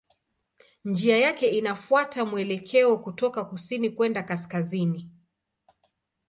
Njia yake inafuata mwelekeo kutoka kusini kwenda kaskazini.